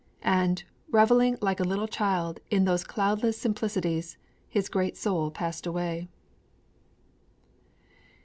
_' And, reveling like a little child in those cloudless simplicities, his great soul passed away.